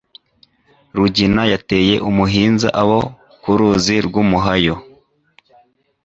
Rugina yateye umuhinza Abo ku ruzi rw’umuhayo,